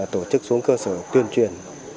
tổ chức xuống cơ sở tuyên truyền